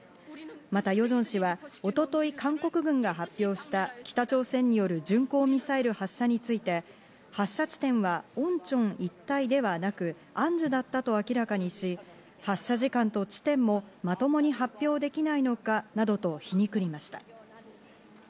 またヨジョン氏は一昨日、韓国軍が発表した北朝鮮による巡航ミサイル発射について、発射地点はオンチョン一帯ではなく、アンジュだったと明らかにし、発射時間と地点もまともに発表できないのかなどと皮肉りました。